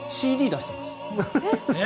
ＣＤ出してます。